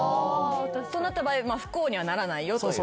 となった場合不幸にはならないよという。